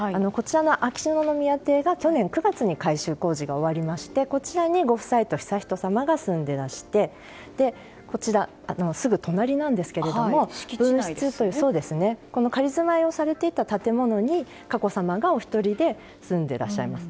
秋篠宮邸が、去年９月に改修工事が終わりましてこちらにご夫妻と悠仁さまが住んでいらしてこちら、すぐ隣なんですが分室という仮住まいされていた建物に佳子さまがお一人で住んでいらっしゃいます。